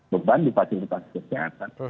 beban di fasilitas kesehatan